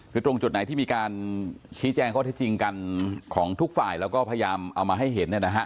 คือตรงจุดไหนที่มีการชี้แจงข้อที่จริงกันของทุกฝ่ายแล้วก็พยายามเอามาให้เห็นเนี่ยนะฮะ